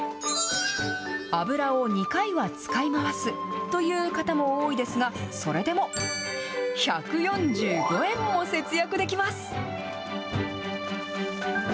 油を２回は使い回すという方も多いですが、それでも１４５円も節約できます。